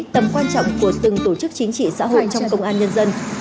tầm quan trọng của từng tổ chức chính trị xã hội trong công an nhân dân